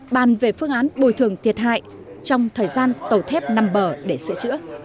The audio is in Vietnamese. bàn về phương án bồi thường thiệt hại trong thời gian tàu thép nằm bờ để sửa chữa